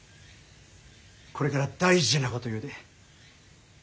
これから大事なこと言うで。